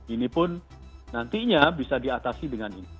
ini pun nantinya bisa diatasi dengan ini